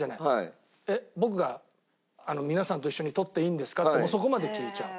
「えっ僕が皆さんと一緒に撮っていいんですか？」ってもうそこまで聞いちゃう。